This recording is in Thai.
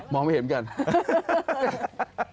ไม่เห็นเหมือนกัน